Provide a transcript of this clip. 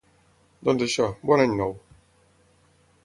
Doncs això, bon any nou.